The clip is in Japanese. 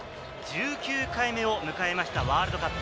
１９回目を迎えましたワールドカップ。